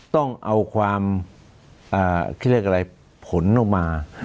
ต้องเอาความผลออกมา